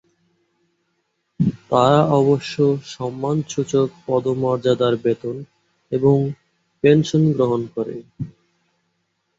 তারা অবশ্য সম্মানসূচক পদমর্যাদার বেতন এবং পেনশন গ্রহণ করে।